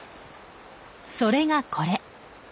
それがこれ。